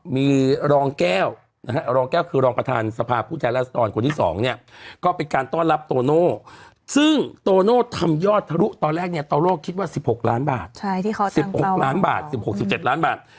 สิบหกล้านบาทสิบหกล้านบาทสิบหกสิบเจ็ดล้านบาท